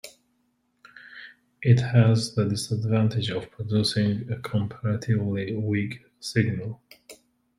It has the disadvantage of producing a comparatively weak signal.